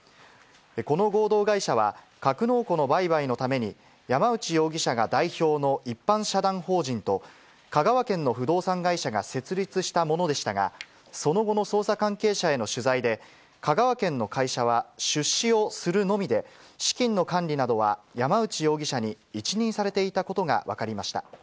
この合同会社は、格納庫の売買のために、山内容疑者が代表の一般社団法人と、香川県の不動産会社が設立したものでしたが、その後の捜査関係者への取材で、香川県の会社は出資をするのみで、資金の管理などは山内容疑者に一任されていたことが分かりました。